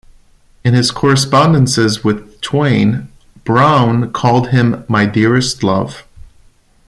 In his correspondences with Twain, Browne called him My Dearest Love.